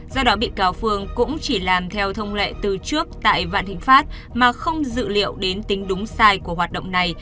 do đó bị cáo phương cũng chỉ làm theo thông lệ từ trước tại vạn thịnh pháp mà không dự liệu đến tính đúng sai của hoạt động này